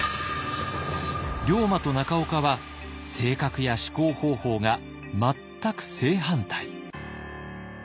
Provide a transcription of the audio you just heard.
龍馬と中岡は性格や思考方法が全く正反対。